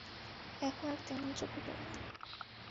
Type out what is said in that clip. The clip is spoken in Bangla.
এখন আর তেমন চোখে পড়ে না।